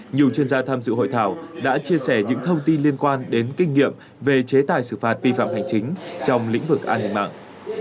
nhiều chuyên gia tham dự hội thảo đã chia sẻ những thông tin liên quan đến kinh nghiệm về chế tài xử phạt vi phạm hành chính trong lĩnh vực an ninh mạng